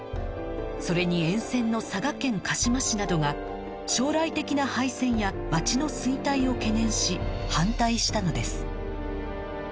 それに沿線の佐賀県鹿島市などが将来的な廃線や町の衰退を懸念し反対したのです